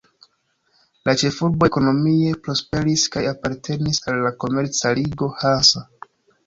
La ĉefurbo ekonomie prosperis kaj apartenis al la komerca ligo Hansa.